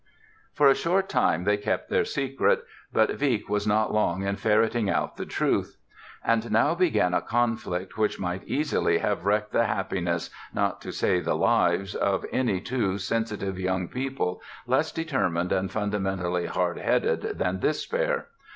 For a short time they kept their secret, but Wieck was not long in ferreting out the truth. And now began a conflict which might easily have wrecked the happiness, not to say the lives, of any two sensitive young people less determined and fundamentally hard headed than this pair.